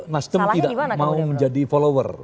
nasdem tidak mau menjadi follower